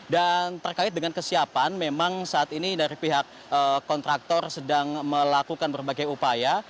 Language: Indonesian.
dan terkait dengan kesiapan memang saat ini dari pihak kontraktor sedang melakukan berbagai upaya